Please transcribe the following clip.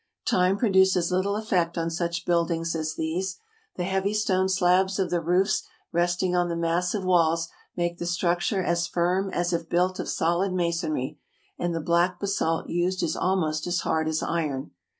Time produces little effect on such buildings as these. The heavy stone slabs of the roofs resting on the massive walls make the structure as firm as if built of solid masonry; and the black basalt used is almost as hard as iron.